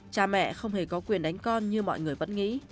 cha mẹ không hề có quyền đánh con như mọi người vẫn nghĩ